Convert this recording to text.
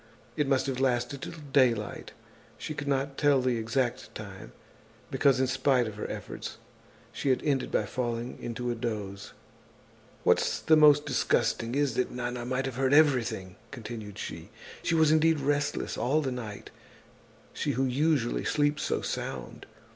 It must have lasted till daylight. She could not tell the exact time, because, in spite of her efforts, she had ended by falling into a dose. "What's most disgusting is that Nana might have heard everything," continued she. "She was indeed restless all the night, she who usually sleeps so sound.